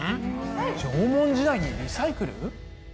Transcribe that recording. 縄文時代にリサイクル？